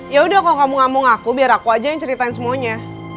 yaudah kalau kamu gak mau ngaku biar aku aja yang ceritain semuanya